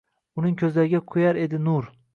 Uning ko’zlariga quyar edi nur.